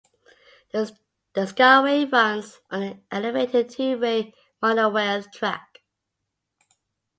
The Skyway runs on an elevated two-way monorail track.